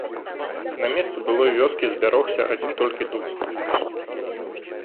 На месцы былой вёскі збярогся адзін толькі дуб.